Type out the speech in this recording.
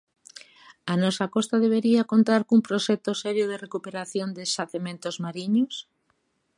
A nosa costa debería contar cun proxecto serio de recuperación de xacementos mariños?